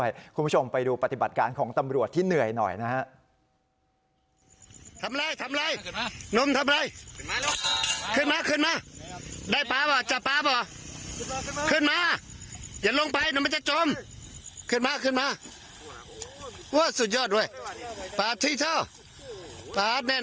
คุณผู้ชมไปดูปฏิบัติการของตำรวจที่เหนื่อยหน่อยนะฮะ